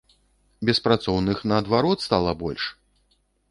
Беспрацоўных, наадварот, стала больш!